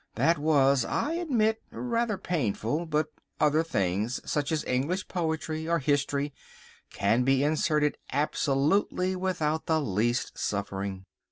That was, I admit, rather painful, but other things, such as English poetry or history, can be inserted absolutely without the least suffering.